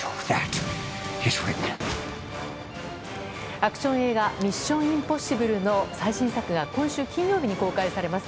アクション映画「ミッション：インポッシブル」の最新作が今週金曜日に公開されます。